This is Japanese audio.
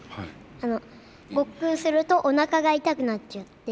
あのごっくんするとおなかが痛くなっちゃって。